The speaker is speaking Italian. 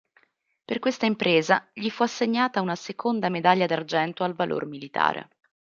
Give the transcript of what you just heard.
Per questa impresa gli fu assegnata una seconda medaglia d'argento al valor militare.